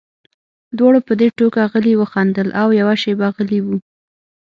دواړو په دې ټوکه غلي وخندل او یوه شېبه غلي وو